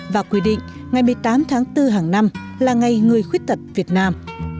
và quy định ngày một mươi tám tháng bốn hàng năm là ngày người khuyết tật việt nam